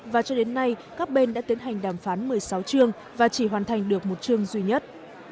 và cho đến nay các bên đã tiến hành đàm phán một mươi sáu chương và chỉ hoàn thành được một chương duy nhất